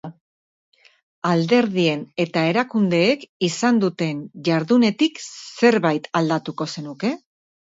Alderdien eta erakundeek izan duten jardunetik zerbait aldatuko zenuke?